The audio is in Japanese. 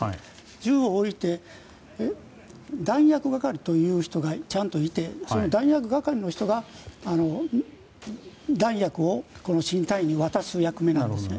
銃を置いて弾薬係という人がちゃんといて弾薬係の人が弾薬を新隊員に渡す役目なんですね。